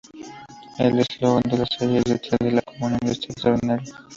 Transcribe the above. El eslogan de la serie es "Detrás de lo común está lo extraordinario".